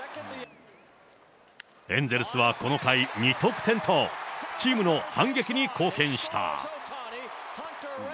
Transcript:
エンゼルスはこの回、２得点と、チームの反撃に貢献した。